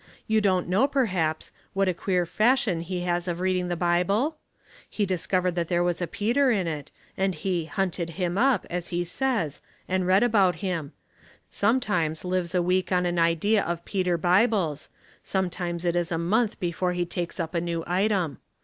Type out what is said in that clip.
You don't know, perhaps, what a queer fashion he has of reading the Bible ? He discovered that there was a Peter in it, and he ' hunted him up,' as he says, and read about him ; sometimes lives a week on an idea of Peter Bible's; sometimes it is a month A New Start. 367 before he takes up a new item.